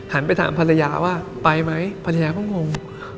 ไปถามภรรยาว่าไปไหมภรรยาก็งง